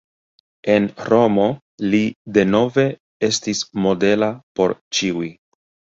En Romo li denove estis modela por ĉiuj.